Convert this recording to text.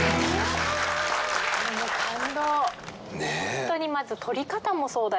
ホントにまず。